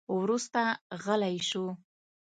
وروسته غلی شو.